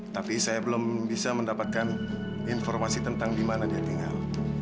tapi saya belum bisa mendapatkan informasi tentang di mana dia tinggal